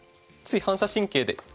つい反射神経で。